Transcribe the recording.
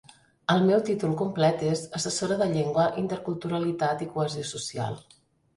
El meu títol complet és ‘assessora de llengua, interculturalitat i cohesió social’.